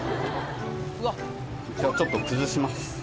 これちょっと崩します。